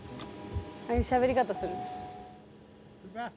ああいうしゃべり方するんです。